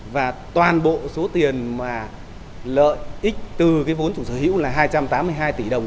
và toàn bộ số tiền mà lợi ích từ cái vốn chủ sở hữu là hai trăm tám mươi hai tỷ đồng